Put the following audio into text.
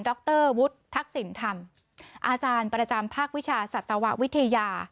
รวุฒิทักษิณธรรมอาจารย์ประจำภาควิชาสัตววิทยา